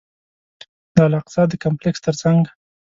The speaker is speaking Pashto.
د الاقصی د کمپلکس تر څنګ.